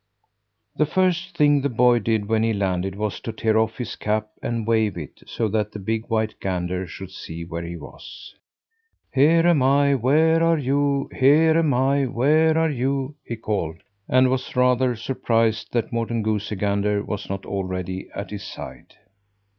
The first thing the boy did when he landed was to tear off his cap and wave it, so that the big white gander should see where he was. "Here am I, where are you? Here am I, where are you?" he called, and was rather surprised that Morten Goosey Gander was not already at his side.